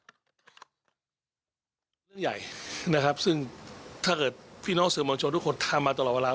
เรื่องใหญ่นะครับซึ่งถ้าเกิดพี่น้องสื่อมวลชนทุกคนทำมาตลอดเวลา